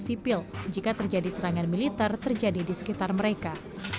sipil jika terjadi serangan militer terjadi di sekitar mereka